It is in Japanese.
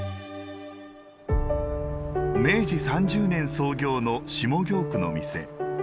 明治３０年創業の下京区の店。